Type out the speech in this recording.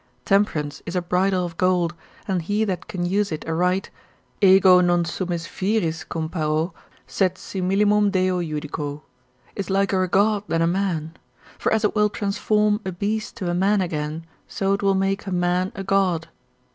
Temperance is a bridle of gold, and he that can use it aright, ego non summis viris comparo, sed simillimum Deo judico, is liker a God than a man: for as it will transform a beast to a man again, so will it make a man a God.